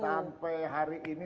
sampai hari ini